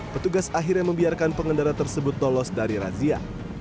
petugas akhirnya membiarkan pengendara tersebut tolos dari razia